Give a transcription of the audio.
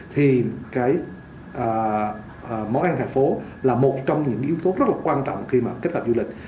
thì cái món ăn thành phố là một trong những yếu tố rất là quan trọng khi mà kết hợp du lịch